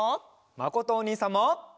まことおにいさんも。